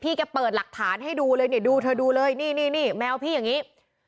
แกเปิดหลักฐานให้ดูเลยเนี่ยดูเธอดูเลยนี่นี่แมวพี่อย่างนี้